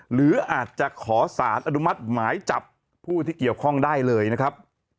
หรืออาจจะขอสารอนุมัติหมายจับผู้ที่เกี่ยวข้องได้เลยนะครับ